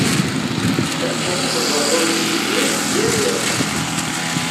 Akka i tḍeru d Yidir yal iḍ.